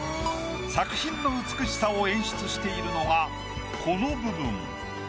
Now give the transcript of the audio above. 作品の美しさを演出しているのがこの部分。